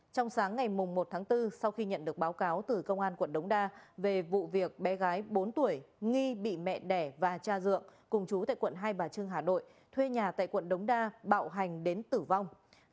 trong sáng ngày một tháng bốn sau khi nhận được báo cáo từ công an quận đống đa về vụ việc bé gái bốn tuổi nghi bị mẹ đẻ và cha dượng cùng chú tại quận hai bà trưng hà nội thuê nhà tại quận đống đa bạo hành đến tử vong